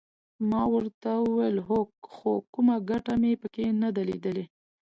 ما ورته وویل هو خو کومه ګټه مې پکې نه ده لیدلې.